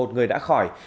một người đã khỏi